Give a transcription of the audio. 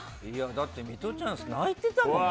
だってミトちゃん泣いてたもんね。